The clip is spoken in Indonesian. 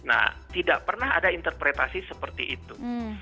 nah tidak pernah ada interpretasi seperti itu